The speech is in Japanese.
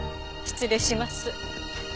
失礼します。